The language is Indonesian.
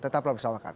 tetap selamat makan